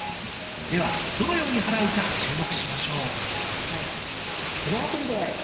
ではどのように払うか注目しましょう。